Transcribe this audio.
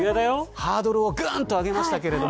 ハードルを、がんと上げましたけれども。